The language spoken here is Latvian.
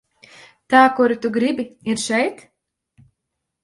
Tā kuru tu gribi, ir šeit?